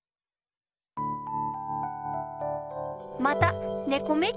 またねこ